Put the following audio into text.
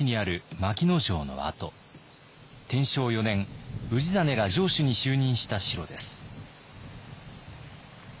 天正４年氏真が城主に就任した城です。